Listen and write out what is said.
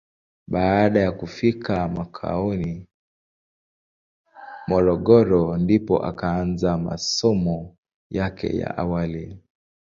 Baada ya kufika mkoani Morogoro ndipo akaanza masomo yake ya awali.